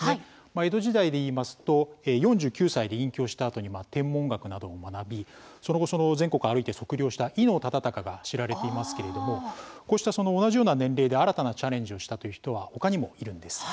江戸時代でいいますと４９歳で隠居したあとに天文学などを学びその後全国を歩いて測量した伊能忠敬が知られていますけれどもこうした同じような年齢で新たなチャレンジをしたという人はほかにもいるんです。